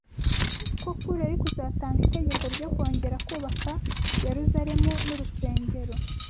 ko Kuro yari kuzatanga itegeko ryo kongera kubaka Yerusalemu n’urusengero